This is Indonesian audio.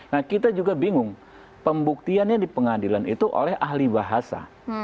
nah kita juga bingung pembuktiannya di pengadilan itu oleh ahli bahasa